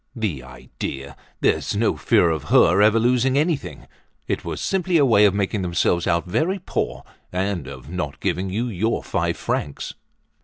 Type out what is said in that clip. The idea! There's no fear of her ever losing anything! It was simply a way of making themselves out very poor and of not giving you your five francs."